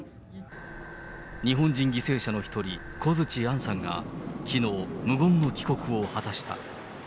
日本人犠牲者の一人、小槌杏さんがきのう、無言の帰国を果たした。